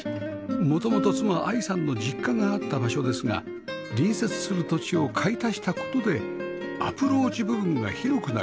元々妻愛さんの実家があった場所ですが隣接する土地を買い足した事でアプローチ部分が広くなりました